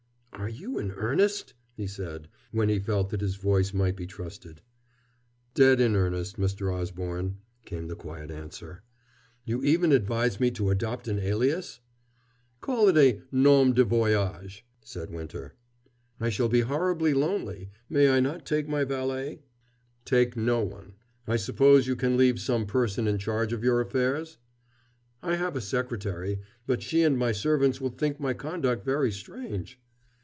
"Are you in earnest?" he said, when he felt that his voice might be trusted. "Dead in earnest, Mr. Osborne," came the quiet answer. "You even advise me to adopt an alias?" "Call it a nom de voyage," said Winter. "I shall be horribly lonely. May I not take my valet?" "Take no one. I suppose you can leave some person in charge of your affairs?" "I have a secretary. But she and my servants will think my conduct very strange."